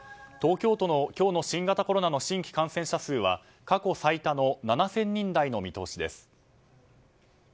東京都の今日の新型コロナの新規感染者数は過去最多の７０００人台の見通しです。